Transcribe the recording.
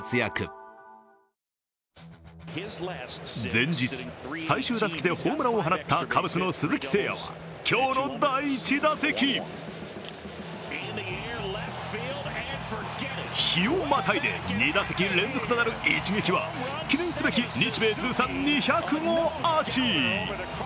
前日、最終打席でホームランを放ったカブスの鈴木誠也は今日の第１打席日をまたいで２打席連続となる一撃は、記念すべき日米通算２００号アーチ。